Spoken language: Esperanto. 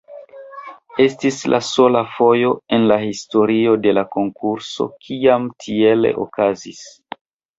Estis la sola fojo en la historio de la konkurso kiam tiele okazis.